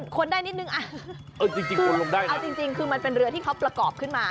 คนได้นิดนึงเอาจริงคือมันเป็นเรือที่เขาประกอบขึ้นมา